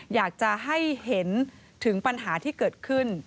อยากจะให้เห็นถึงปัญหาที่เกิดขึ้น